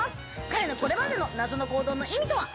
彼のこれまでの謎の行動の意味とは？